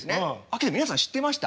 けど皆さん知ってました？